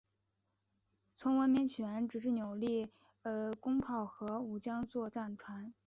从文明起源直至扭力弩炮和五桨座战船。